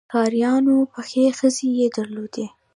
د ښکاریانو پخې خزې یې درلودې.